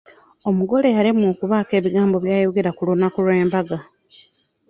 Omugole yalemwa okubaako ebigambo by'ayogera ku lunaku lw'embaga.